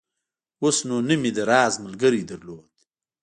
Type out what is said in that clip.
اوس نو نه مې د راز ملګرى درلود.